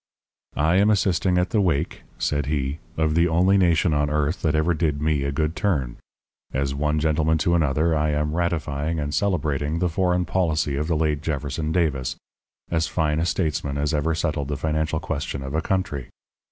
"I am assisting at the wake," said he, "of the only nation on earth that ever did me a good turn. As one gentleman to another, I am ratifying and celebrating the foreign policy of the late Jefferson Davis, as fine a statesman as ever settled the financial question of a country.